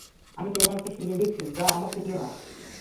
আমি তোমাকে সুযোগ দিচ্ছি, যা আমার ছিল না।